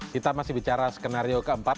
kita masih bicara skenario keempat